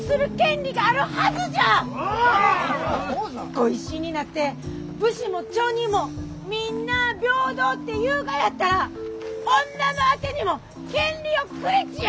御一新になって武士も町人もみんなあ平等って言うがやったら女のあてにも権利をくれちや！